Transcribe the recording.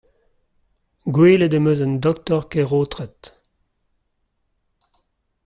Gwelet em eus an doktor Keraotred.